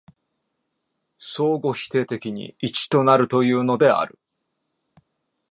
相互否定的に一となるというのである。